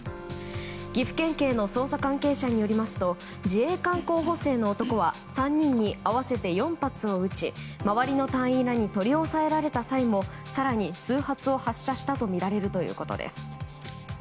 岐阜県警の捜査関係者によりますと自衛官候補生の男は３人に合わせて４発を撃ち周りの隊員らに取り押さえられた際も更に数発を発射したとみられるということです。